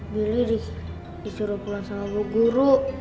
biar libur disuruh pulang sama bu guru